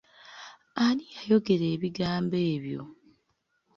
Ani yayogera ebigambo ebyo?